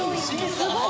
すごい！